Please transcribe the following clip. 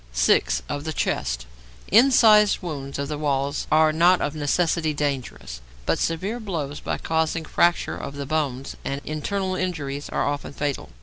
6. =Of the Chest.= Incised wounds of the walls are not of necessity dangerous; but severe blows, by causing fracture of the bones and internal injuries, are often fatal.